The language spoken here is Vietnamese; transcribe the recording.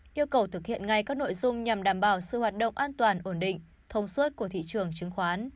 yêu cầu thực hiện ngay các nội dung nhằm đảm bảo sự hoạt động an toàn ổn định thông suốt của thị trường chứng khoán